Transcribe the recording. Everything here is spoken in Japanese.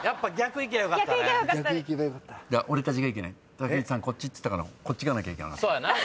竹内さん「こっち」っつったからこっちいかなきゃいけなかった。